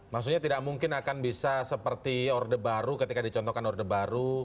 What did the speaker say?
maksudnya tidak mungkin akan bisa seperti orde baru ketika dicontohkan orde baru